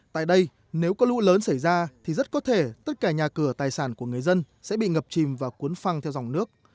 tại đây nếu có lũ lớn xảy ra thì rất có thể tất cả nhà cửa tài sản của người dân sẽ bị ngập chìm và cuốn phăng theo dòng nước